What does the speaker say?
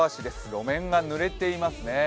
路面がぬれていますね。